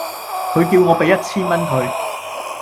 佢叫我畀一千蚊佢